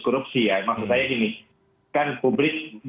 korupsi ya maksud saya gini kan publik